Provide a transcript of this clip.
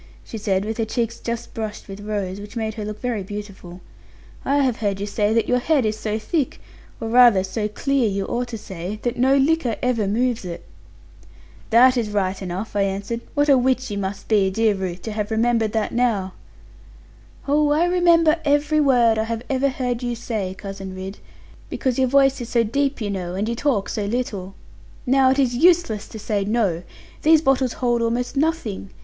she said, with her cheeks just brushed with rose, which made her look very beautiful; 'I have heard you say that your head is so thick or rather so clear, you ought to say that no liquor ever moves it.' 'That is right enough,' I answered; 'what a witch you must be, dear Ruth, to have remembered that now!' 'Oh, I remember every word I have ever heard you say, Cousin Ridd; because your voice is so deep, you know, and you talk so little. Now it is useless to say "no". These bottles hold almost nothing.